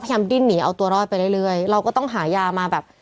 เพื่อไม่ให้เชื้อมันกระจายหรือว่าขยายตัวเพิ่มมากขึ้น